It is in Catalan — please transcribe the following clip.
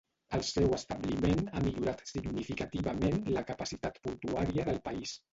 El seu establiment ha millorat significativament la capacitat portuària del país.